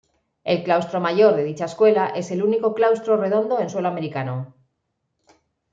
El Claustro Mayor de dicha escuela es el único claustro redondo en suelo americano.